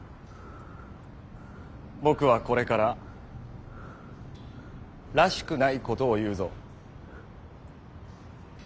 僕はこれかららしくないことを言うぞ。